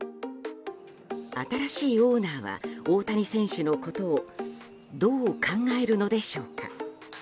新しいオーナーは大谷選手のことをどう考えるのでしょうか。